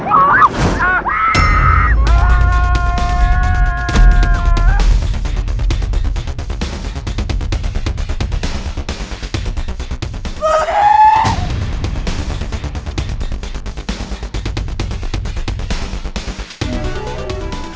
aku bisa membunuhmu